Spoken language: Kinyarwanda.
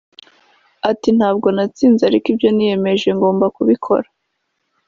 Ati “Ntabwo natsinze ariko ibyo niyemeje ngomba kubikora